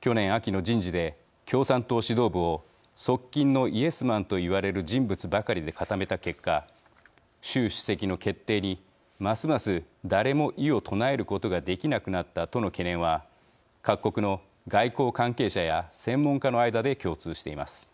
去年、秋の人事で共産党指導部を側近のイエスマンと言われる人物ばかりで固めた結果習主席の決定に、ますます誰も異を唱えることができなくなったとの懸念は各国の外交関係者や専門家の間で共通しています。